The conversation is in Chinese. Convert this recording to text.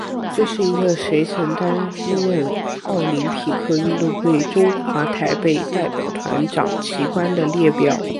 这是一个谁曾担任奥林匹克运动会中华台北代表团掌旗官的列表。